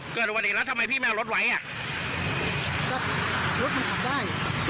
เอ้าเกิดอุบัดอีกแล้วทำไมพี่ไม่เอารถไหว